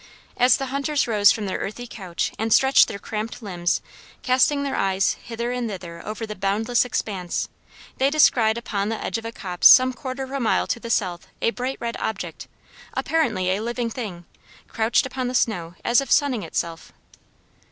As the hunters rose from their earthy couch and stretched their cramped limbs, casting their eyes hither and thither over the boundless expanse, they descried upon the edge of a copse some quarter of a mile to the south a bright red object, apparently a living thing, crouched upon the snow as if sunning itself.